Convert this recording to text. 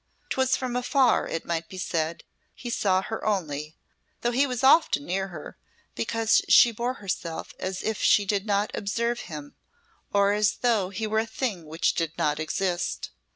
'Twas from afar, it might be said, he saw her only, though he was often near her, because she bore herself as if she did not observe him, or as though he were a thing which did not exist.